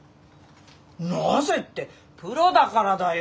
なぜってプロだからだよ！